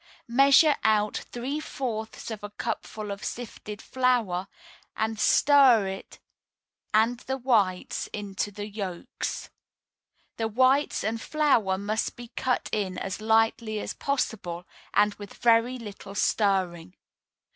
Measure out three fourths of a cupful of sifted flour, and stir it and the whites into the yolks. The whites and flour must be cut in as lightly as possible, and with very little stirring.